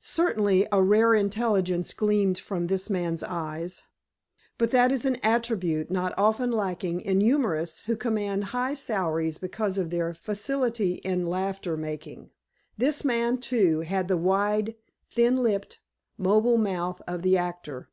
Certainly, a rare intelligence gleamed from this man's eyes, but that is an attribute not often lacking in humorists who command high salaries because of their facility in laughter making. This man, too, had the wide, thin lipped, mobile mouth of the actor.